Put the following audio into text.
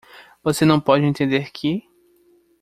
Você não pode entender que?